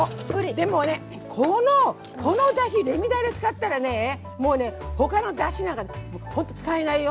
でもねこのだしレミだれ使ったらねもうね他のだしなんか使えないよ。